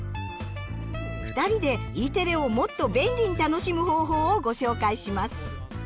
２人でＥテレをもっと便利に楽しむ方法をご紹介します。